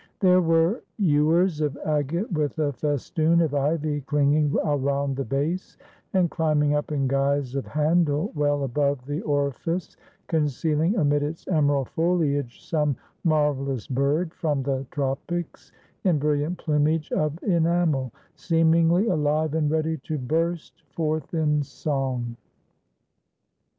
There were ewers of agate, with a festoon of ivy clinging around the base, and climbing up in guise of handle well above the orifice conceahng amid its emerald fohage some mar velous bird from the tropics, in brilliant plumage of enamel, seemingly alive and ready to burst forth in song.